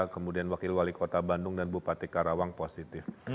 kemudian wakil wali kota bandung dan bupati karawang positif